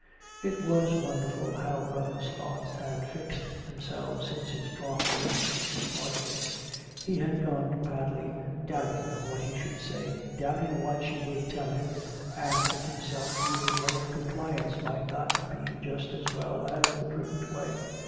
It was wonderful how Robin's thoughts had fixed them selves since his talk with Mistress Marjorie. He had gone to Padley, doubting of what he should say, doubting what she would tell him, asking himself even whether compliance might not be the just as well as the prudent way.